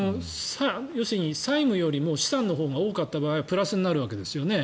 要するに債務よりも資産のほうが多かった場合はプラスになるわけですよね。